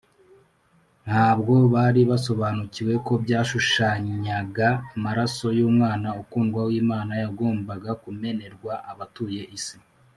ntabwo bari basobanukiwe ko byashushanyaga amaraso y’umwana ukundwa w’imana yagombaga kumenerwa abatuye isi,